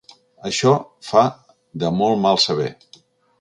Això fa de molt mal saber.